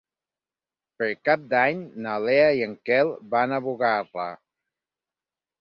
Per Cap d'Any na Lea i en Quel van a Bugarra.